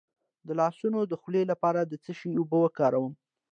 د لاسونو د خولې لپاره د څه شي اوبه وکاروم؟